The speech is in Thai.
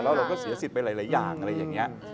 แล้วเราก็เสียสิทธิ์ไปหลายอย่างอะไรอย่างนี้